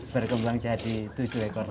berkembang jadi tujuh ekor